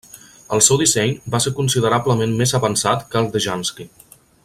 El seu disseny va ser considerablement més avançat que el de Jansky.